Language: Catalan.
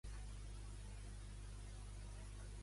Què podia fer Don Eduald?